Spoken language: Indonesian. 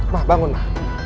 ma bangun ma